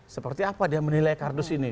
seperti apa dia menilai kardus ini